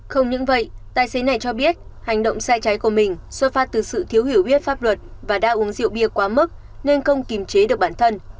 không những vậy tài xế này cho biết hành động sai trái của mình xuất phát từ sự thiếu hiểu biết pháp luật và đã uống rượu bia quá mức nên không kìm chế được bản thân